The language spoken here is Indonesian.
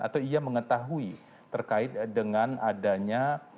atau ia mengetahui terkait dengan adanya